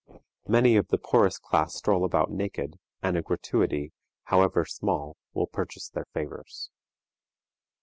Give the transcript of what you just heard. Many of the poorest class stroll about naked, and a gratuity, however small, will purchase their favors.